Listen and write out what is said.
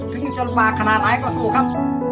ทิ้งจนบากขนาดไหนก็สู้ครับ